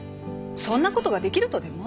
そんなことができるとでも？